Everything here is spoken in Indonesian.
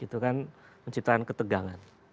itu kan menciptakan ketegangan